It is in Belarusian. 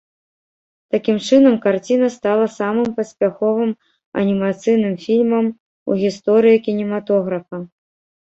Такім чынам, карціна стала самым паспяховым анімацыйным фільмам у гісторыі кінематографа.